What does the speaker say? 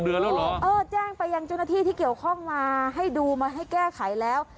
เอ่อแจ้งไปยังจุฬทรรภี่ที่เกี่ยวข้องมาให้ดูมาให้แก้ไขแล้ว